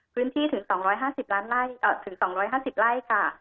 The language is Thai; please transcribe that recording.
พื้นที่ถึง๒๕๐๒๕๐ไร่ค่ะ